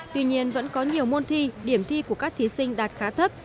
tuy nhiên vẫn có nhiều môn thi điểm thi của các thí sinh đạt khá thấp